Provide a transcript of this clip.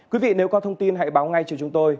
quý vị nếu có thông tin hãy báo ngay cho chúng tôi